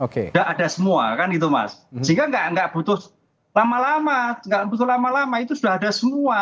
sudah ada semua kan itu mas sehingga nggak butuh lama lama itu sudah ada semua